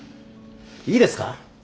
いいですか？